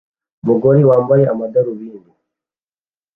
Umugore wambaye amadarubindi